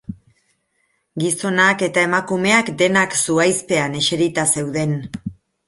Gizonak eta emakumeak, denak zuhaizpean eserita zeuden.